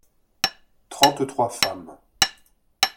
Trente-trois femmes.